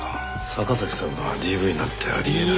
坂崎さんがＤＶなんてあり得ない。